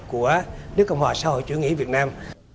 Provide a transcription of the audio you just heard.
của nước cộng hòa xã hội chủ nghĩa việt nam